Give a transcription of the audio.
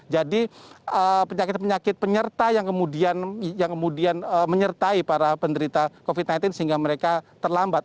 jadi penyakit penyakit penyerta yang kemudian menyertai para penderita covid sembilan belas sehingga mereka terlambat